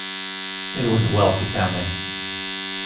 It was a wealthy family.